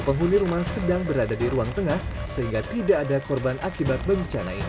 penghuni rumah sedang berada di ruang tengah sehingga tidak ada korban akibat bencana ini